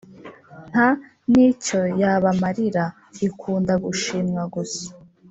Nta n'icyo yabamarira: Ikunda gushimwa gusa